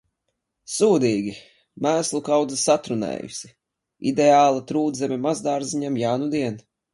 Sūdīgi! Mēslu kaudze satrunējusi, ideāla trūdzeme mazdārziņam, jānudien.